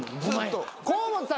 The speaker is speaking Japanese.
・河本さん